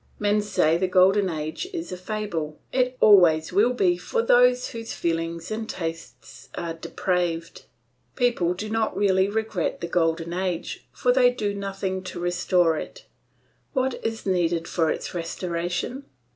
Men say the golden age is a fable; it always will be for those whose feelings and taste are depraved. People do not really regret the golden age, for they do nothing to restore it. What is needed for its restoration?